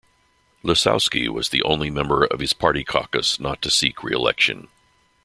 Lisowsky was the only member of his party caucus not to seek re-election.